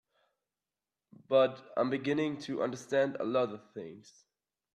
But I'm beginning to understand a lot of things.